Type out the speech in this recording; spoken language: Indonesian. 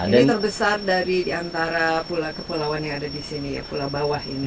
jadi terbesar dari antara pulau kepulauan yang ada di sini ya pulau bawah ini